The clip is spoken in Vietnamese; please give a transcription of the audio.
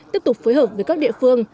tiếp tục phối hợp với các địa phương